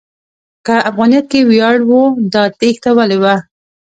که افغانیت کې ویاړ و، دا تېښته ولې وه؟